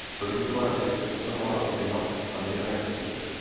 Limitovaná edice obsahovala i dema a nevydané písně.